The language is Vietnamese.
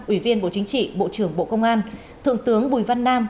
ủy viên bộ chính trị bộ trưởng bộ công an thượng tướng bùi văn nam